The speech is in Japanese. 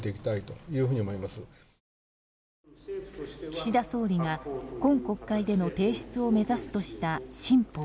岸田総理が、今国会での提出を目指すとした新法。